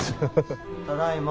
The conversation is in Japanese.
ただいま。